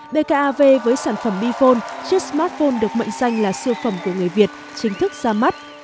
bkav với sản phẩm bphone chiếc smartphone được mệnh danh là siêu phẩm của người việt chính thức giám mắt